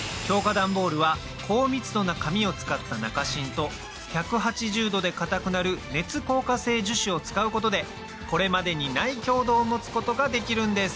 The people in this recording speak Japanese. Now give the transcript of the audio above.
ダンボールは高密度な紙を使った中芯と１８０度で硬くなる熱硬化性樹脂を使うことでこれまでにない強度を持つことができるんです